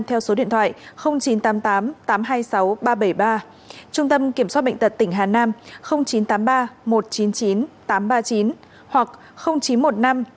theo số điện thoại chín trăm tám mươi tám tám trăm hai mươi sáu ba trăm bảy mươi ba trung tâm kiểm soát bệnh tật tỉnh hà nam chín trăm tám mươi ba một trăm chín mươi chín tám trăm ba mươi chín